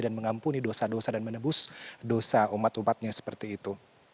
dan mengampuni dosa dosa dan menebus dosa umat umatnya seperti itu